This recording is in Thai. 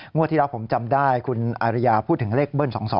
งวดที่เราผมจำได้คุณอาริยาพูดถึงเลขเบิ้ล๒๒นี่